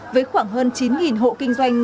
với khoảng hơn chín hộ kinh doanh